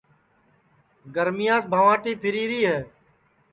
گرمیاس بھوانٚٹی پھیری ری ہے